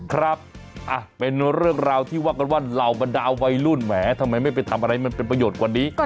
ครับเป็นเรื่องราวที่ว่ากันว่าเหล่าบรรดาวัยรุ่นแหมทำไมไม่ไปทำอะไรมันเป็นประโยชน์กว่านี้